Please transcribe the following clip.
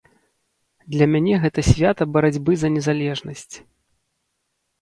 Для мяне гэта свята барацьбы за незалежнасць.